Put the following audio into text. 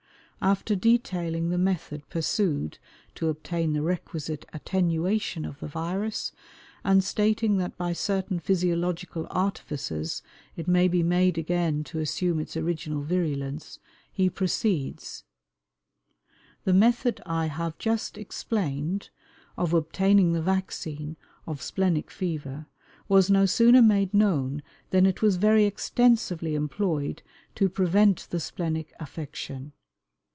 After detailing the method pursued to obtain the requisite attenuation of the virus, and stating that by certain physiological artifices it may be made again to assume its original virulence, he proceeds: "The method I have just explained, of obtaining the vaccine of splenic fever, was no sooner made known then it was very extensively employed to prevent the splenic affection.